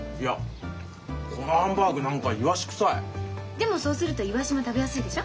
でもそうするとイワシも食べやすいでしょ。